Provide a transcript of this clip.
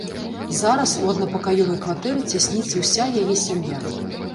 Зараз у аднапакаёвай кватэры цясніцца ўся яе сям'я.